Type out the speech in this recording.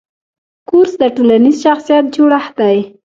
کورس د ټولنیز شخصیت جوړښت دی.